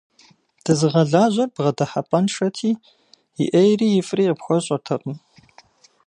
Дызыгъэлажьэр бгъэдыхьэпӏэншэти, и ӏейри ифӏри къыпхуэщӏэртэкъым.